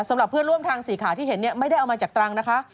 สำหรับเพื่อนร่วมทางสีขาที่เห็นไม่ได้เอามาจากตรังนะคะ